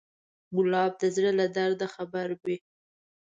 ګلاب د زړه له درده خبروي.